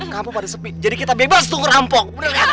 kamu pada sepi jadi kita bebas tuh ngerampok